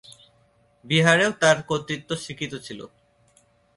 বিহারেও তাঁর কর্তৃত্ব স্বীকৃত ছিল।